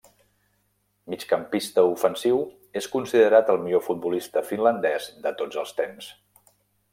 Migcampista ofensiu, és considerat el millor futbolista finlandès de tots els temps.